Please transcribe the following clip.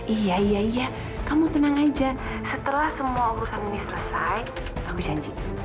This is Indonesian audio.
iya iya iya kamu tenang aja setelah semua urusan ini selesai aku janji